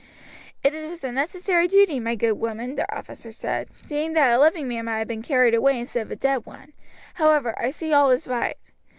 "It was a necessary duty, my good woman," the officer said, "seeing that a living man might have been carried away instead of a dead one; however, I see all is right."